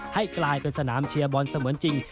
ให้กลายเป็นสนามเชียร์บอลเสมือนจริง